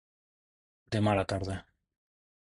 Demà a la tarda.